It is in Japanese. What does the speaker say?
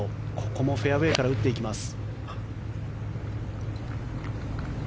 ここもフェアウェーから打っていきます。